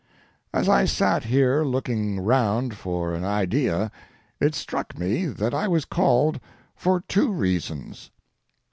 As I sat here looking around for an idea it struck me that I was called for two reasons.